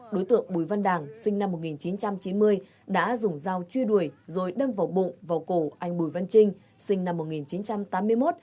đối tượng bùi văn đảng sinh năm một nghìn chín trăm chín mươi đã dùng dao truy đuổi rồi đâm vào bụng vào cổ anh bùi văn trinh sinh năm một nghìn chín trăm tám mươi một